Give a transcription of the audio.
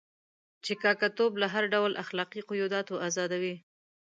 چې کاکه توب له هر ډول اخلاقي قیوداتو آزادوي.